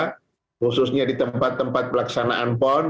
khususnya di tempat tempat pelaksanaan pon